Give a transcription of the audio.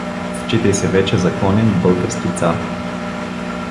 Считай се вече законен български цар.